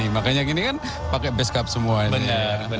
makanya gini kan pakai beskap semuanya